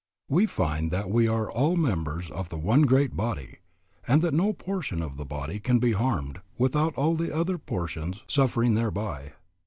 We find that we are all members of the one great body, and that no portion of the body can be harmed without all the other portions suffering thereby.